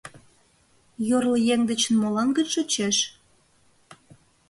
Йорло еҥ дечын молан гын шочеш?